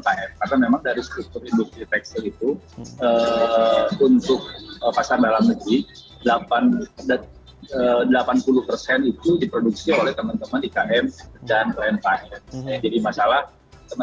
karena memang dari struktur industri tekstil itu untuk pasar barang lagi delapan puluh itu diproduksi oleh teman teman ikm dan rmpm